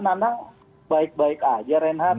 nanang baik baik aja reinhardt